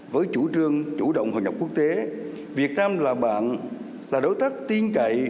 với chủ trương chủ động hội nhập quốc tế việt nam là bạn là đối tác tiên cậy